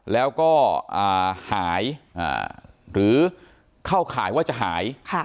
แล้วก็หายหรือเข้าข่ายว่าจะหาย